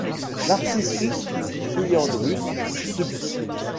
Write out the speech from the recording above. Narcissus triandrus subsp.